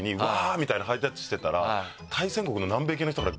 みたいなハイタッチしてたら。